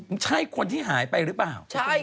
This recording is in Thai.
มันใช่คนที่หายไปหรือเปล่า